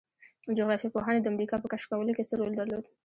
جغرافیه پوهانو د امریکا په کشف کولو کې څه رول درلود؟